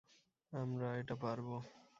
আমরা এটা পারবো।